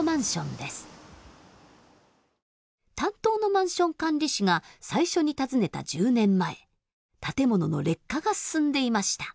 担当のマンション管理士が最初に訪ねた１０年前建物の劣化が進んでいました。